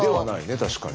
確かに。